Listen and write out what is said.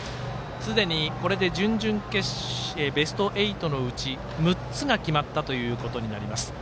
すでにこれでべスト８のうち６つが決まったということになります。